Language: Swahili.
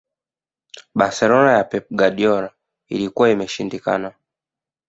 barcelona ya pep guardiola ilikuwa imeshindikana